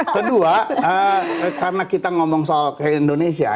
kedua karena kita ngomong soal indonesia